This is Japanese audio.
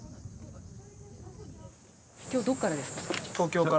今日どこからですか？